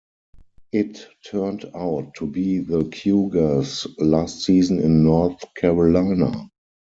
It turned out to be the Cougars' last season in North Carolina.